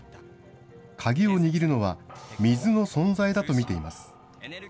鍵を握るのは、水の存在だと見ています。